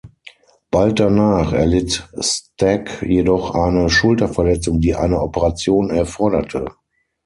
Bald danach erlitt Stack jedoch eine Schulterverletzung, die eine Operation erforderte.